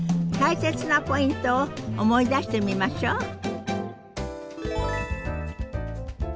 大切なポイントを思い出してみましょう。